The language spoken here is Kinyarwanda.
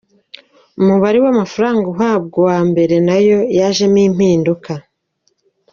Umubare w’amafaranga ahabwa uwa mbere nayo yajemo impinduka.